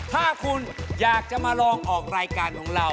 ถ้าคุณอยากจะมาลองออกรายการของเรา